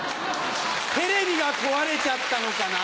テレビが壊れちゃったのかな？